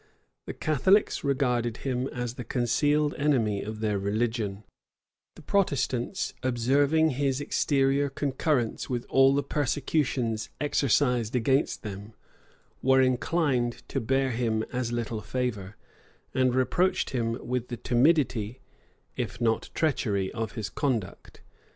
The Catholics regarded him as the concealed enemy of their religion: the Protestants, observing his exterior concurrence with all the persecutions exercised against them, were inclined to bear him as little favor; and reproached him with the timidity, if not treachery, of his conduct.